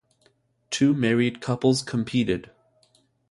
Two married couples competed.